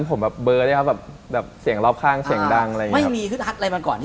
หมายความว่าอย่างโดนต่อยเครวกัน